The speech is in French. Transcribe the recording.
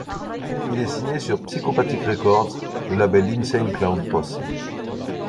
Il est signé sur Psychopathic Records, le label d'Insane Clown Posse.